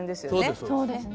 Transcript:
そうですね。